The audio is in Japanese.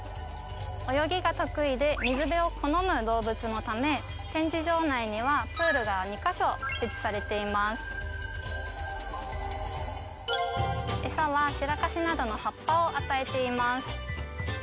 泳ぎが得意で水辺を好む動物のため展示場内にはプールが２カ所設置されていますを与えています